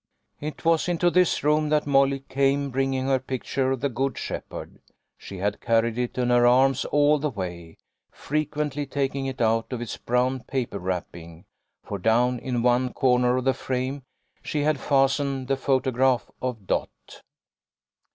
It was into this room that Molly came, bringing her picture of the Good Shepherd She had carried it in her arms all the way, frequently taking it out of its brown paper wrapping, for down in one corner of the frame she had fastened the photograph of Dot.